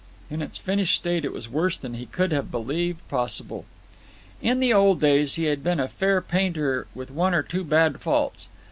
In its finished state it was worse than he could have believed possible. In the old days he had been a fair painter with one or two bad faults.